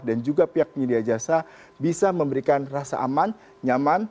dan juga pihak penyedia jasa bisa memberikan rasa aman nyaman